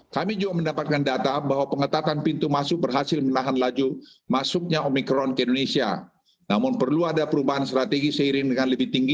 kami juga mendapatkan data bahwa pengetatan pintu masuk bersejarah